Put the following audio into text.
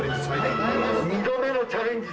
２度目のチャレンジ。